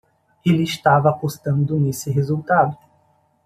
Ele estava apostando nesse resultado.